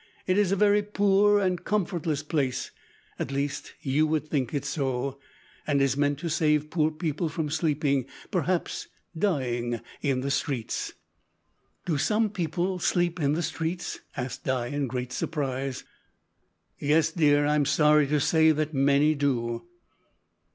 It is a very poor and comfortless place at least you would think it so and is meant to save poor people from sleeping, perhaps dying, in the streets." "Do some people sleep in the streets?" asked Di in great surprise. "Yes, dear, I'm sorry to say that many do."